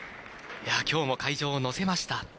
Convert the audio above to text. きょうも会場を乗せました。